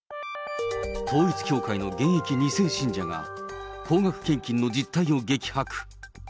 統一教会の現役２世信者が高額献金の実態を激白。